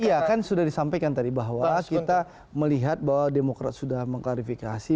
iya kan sudah disampaikan tadi bahwa kita melihat bahwa demokrat sudah mengklarifikasi